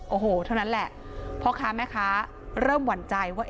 โอ้โหเท่านั้นแหละพ่อค้าแม่ค้าเริ่มหวั่นใจว่า